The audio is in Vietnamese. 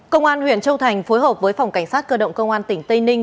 công an huyện châu thành phối hợp với phòng cảnh sát cơ động công an tỉnh tây ninh